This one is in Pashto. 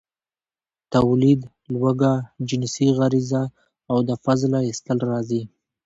، توليد، لوږه، جنسي غريزه او د فضله ايستل راځي.